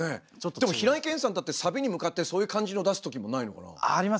でも平井堅さんだってサビに向かってそういう感じのを出すときもないのかな？ありますね。